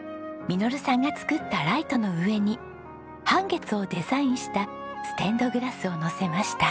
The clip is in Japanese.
實さんが作ったライトの上に半月をデザインしたステンドグラスをのせました。